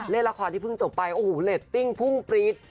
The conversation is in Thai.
เล่นละครที่เพิ่งจบไปโอ้โหเรตติ้งพุ่งปรี๊ด